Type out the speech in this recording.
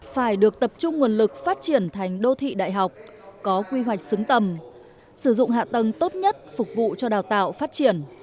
phải được tập trung nguồn lực phát triển thành đô thị đại học có quy hoạch xứng tầm sử dụng hạ tầng tốt nhất phục vụ cho đào tạo phát triển